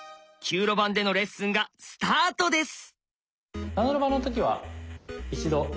９路盤でのレッスンがスタートです！